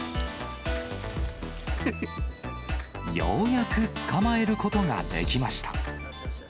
ようやく捕まえることができました。